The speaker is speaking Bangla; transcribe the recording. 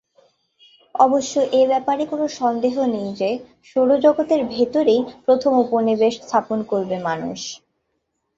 অবশ্য এ ব্যাপারে কোন সন্দেহ নেই যে, সৌরজগতের ভেতরেই প্রথম উপনিবেশ স্থাপন করবে মানুষ।